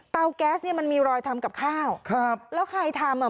แก๊สเนี้ยมันมีรอยทำกับข้าวครับแล้วใครทำอ่ะ